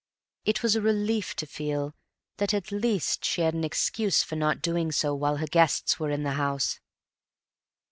It was a relief to feel that at least she had an excuse for not doing so while her guests were in the house.